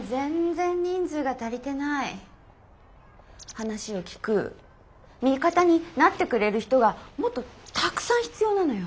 話を聞く味方になってくれる人がもっとたくさん必要なのよ。